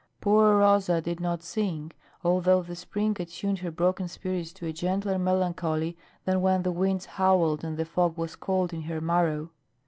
Poor Rosa did not sing, although the spring attuned her broken spirit to a gentler melancholy than when the winds howled and the fog was cold in her marrow.